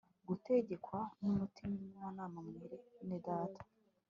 gutegekwa nu mutimanama Mwenedata